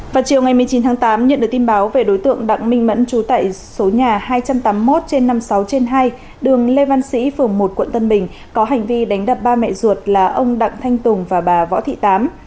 vào chiều ngày một mươi chín tháng tám nhận được tin báo về đối tượng đặng minh mẫn trú tại số nhà hai trăm tám mươi một trên năm mươi sáu trên hai đường lê văn sĩ phường một quận tân bình có hành vi đánh đập ba mẹ ruột là ông đặng thanh tùng và bà võ thị tám